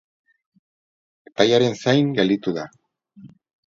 Epaiaren zain gelditu da.